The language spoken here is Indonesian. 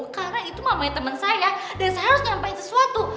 karena itu mamanya temen saya dan saya harus nyampaikan sesuatu